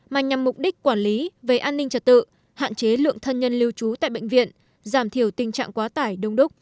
mà nhằm mục đích quản lý về an ninh trật tự hạn chế lượng thân nhân lưu trú tại bệnh viện giảm thiểu tình trạng quá tải đông đúc